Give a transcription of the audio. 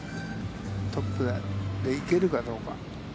トップで行けるかどうか。